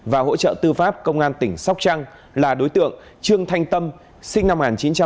và hỗ trợ tư pháp công an tỉnh sóc trăng là đối tượng trương thanh tâm sinh năm một nghìn chín trăm tám mươi